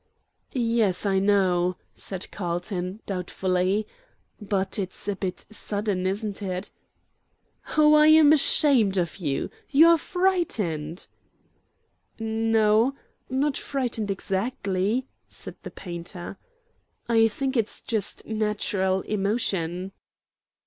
"Yes, I know," said Carlton, doubtfully; "but it's a bit sudden, isn't it?" "Oh, I am ashamed of you! You are frightened." "No, not frightened, exactly," said the painter. "I think it's just natural emotion."